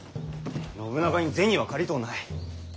信長に銭は借りとうない。